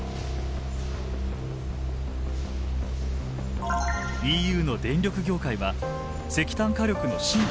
ＥＵの電力業界は石炭火力の新規建設を禁止。